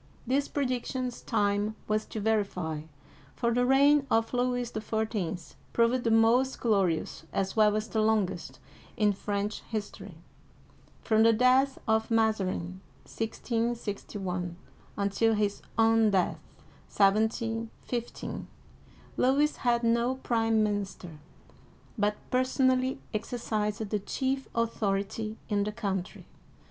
These predictions time was to verify, for the reign of Louis XIV. proved the mostglorious, as well as the longest, in French history. From the death of Mazarin (1661) until his own death (1715) Louis had no prime minister, but personally ex ercised the chief authority in the country.